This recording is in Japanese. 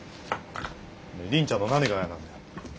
凜ちゃんの何が嫌なんだよ？